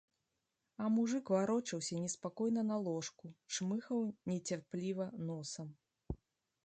А мужык варочаўся неспакойна на ложку, чмыхаў нецярпліва носам.